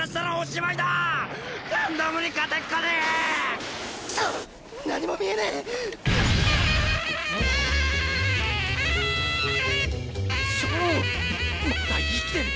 まだ生きてる。